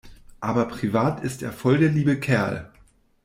Aber privat ist er voll der liebe Kerl.